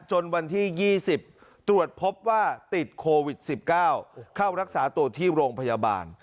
วันที่๒๐ตรวจพบว่าติดโควิด๑๙เข้ารักษาตัวที่โรงพยาบาล